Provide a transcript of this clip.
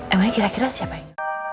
emangnya kira kira siapa ini